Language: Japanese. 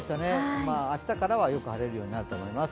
明日からはよく晴れるようになると思います。